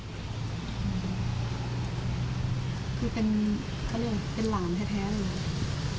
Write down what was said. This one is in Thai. คือเป็นเป็นหลานแท้หรือ